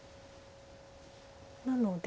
なので。